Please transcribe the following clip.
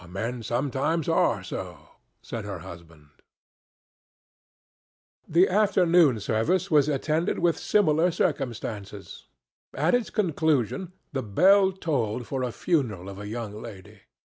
"Men sometimes are so," said her husband. The afternoon service was attended with similar circumstances. At its conclusion the bell tolled for the funeral of a young lady.